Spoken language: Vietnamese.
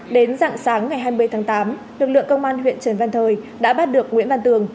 đến dạng sáng ngày hai mươi tháng tám lực lượng công an huyện trần văn thời đã bắt được nguyễn văn tường